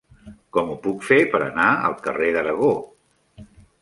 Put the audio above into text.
Com ho puc fer per anar al carrer d'Aragó?